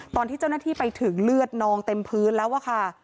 ตอนที่เจ้าหน้าที่ไปถึงเลือดนองเต็มพื้นแล้วอะค่ะ